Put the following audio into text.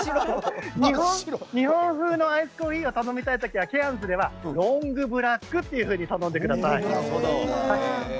日本風のアイスコーヒーを頼みたい時はケアンズではアイスロングブラックと頼んでください。